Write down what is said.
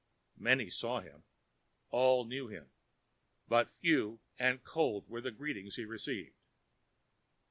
Many saw him, all knew him, but few and cold were the greetings he received.